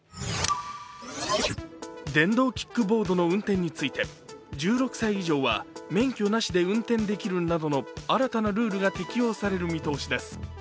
電動キックボードの運転について１６歳以上は免許なしで運転できるなどの新たなルールが適用される見通しです。